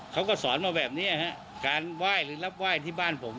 เขาก็สอนมาแบบนี้ฮะการไหว้หรือรับไหว้ที่บ้านผม